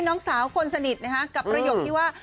น้องสาวคนสนิทกับประโยคที่ว่า